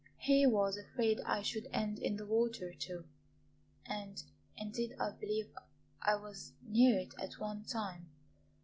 He was afraid I should end in the water, too; and indeed I believe I was near it at one time.